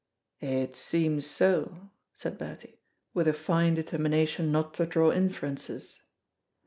"It seems so," said Bertie, with a fine determination not to draw inferences.